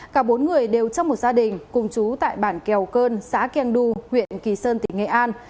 cả bốn người đều trong một gia đình cùng chú tại bản kèo cơn xã keng du huyện kỳ sơn tỉnh nghệ an